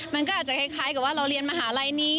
มันก็อาจจะคล้ายกับว่าเราเรียนมหาลัยนี้